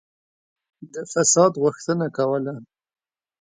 د فساد غوښتنه کوله.